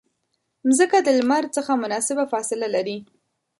مځکه د لمر څخه مناسبه فاصله لري.